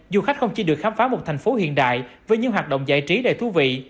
du khách không chỉ được khám phá một thành phố hiện đại với những hoạt động giải trí đầy thú vị